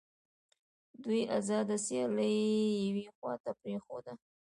دوی آزاده سیالي یوې خواته پرېښوده